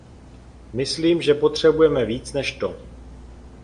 Myslím, že potřebujeme víc než to.